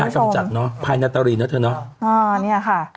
น่าต้องจัดเนาะพลายนัตรีเนาะเธอเนาะอ่าเนี่ยค่ะ